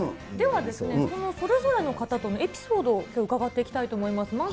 では、それぞれの方とのエピソードをきょう、伺っていきたいと思います。